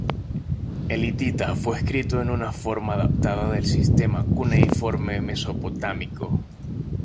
El hitita fue escrito en una forma adaptada del sistema cuneiforme mesopotámico.